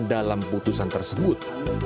dalam putusan tersebut